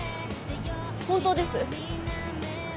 本当です。